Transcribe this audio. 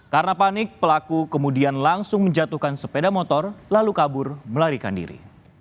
karena panik pelaku kemudian langsung menjatuhkan sepeda motor lalu kabur melarikan diri